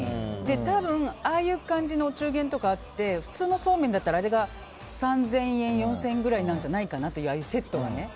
多分、ああいう感じのお中元とかあって普通のそうめんだったらあれが３０００円４０００円ぐらいなんじゃないかとセットがね。